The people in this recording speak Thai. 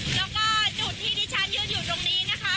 แล้วก็จุดที่ที่ฉันยืนอยู่ตรงนี้นะคะ